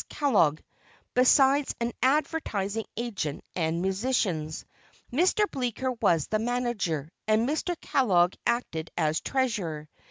Kellogg, besides an advertising agent and musicians. Mr. Bleeker was the manager, and Mr. Kellogg acted as treasurer.